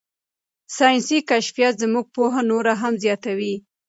ساینسي کشفیات زموږ پوهه نوره هم زیاتوي.